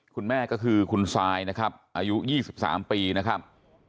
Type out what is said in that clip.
คุณแม่ก็คือคุณซายนะครับอายุยี่สิบสามปีนะครับ